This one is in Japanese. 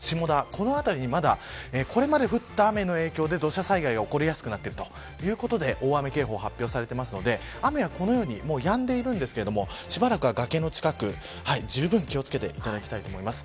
この辺りにまだこれまで降った雨の影響で土砂災害が起こりやすくなっているということで大雨警報が発表されていますので雨はこのようにやんでいるんですがしばらくは崖の近くじゅうぶん気を付けていただきたいと思います。